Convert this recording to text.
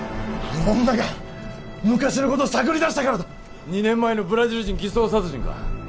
あの女が昔のことを探り出したからだ２年前のブラジル人偽装殺人か？